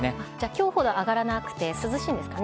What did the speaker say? きょうほど上がらなくて、涼しいんですかね。